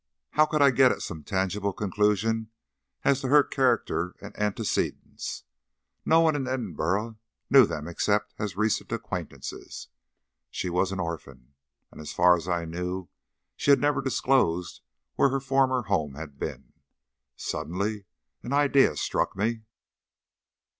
How could I get at some tangible conclusion as to her character and antecedents? No one in Edinburgh knew them except as recent acquaintances. She was an orphan, and as far as I knew she had never disclosed where her former home had been. Suddenly an idea struck me.